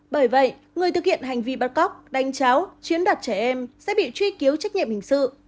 bởi vậy người thực hiện hành vi bắt cóc đánh cháo chiếm đoạt trẻ em sẽ bị truy cứu trách nhiệm hình sự